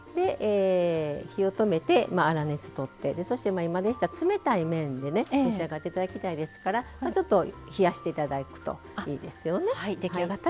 火を止めて、粗熱をとってそして、今でしたら冷たい麺で召し上がっていただきたいですからちょっと冷やしていただくといいですよね。